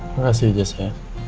makasih jess ya